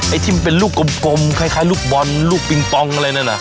ไอ้ชิมเป็นลูกกลมคล้ายลูกบอลลูกปิงปองอะไรนั่น